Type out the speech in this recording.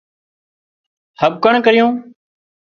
هٻڪڻ ڪرِيون